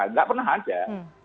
tidak pernah ada